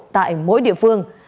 tại mỗi địa phương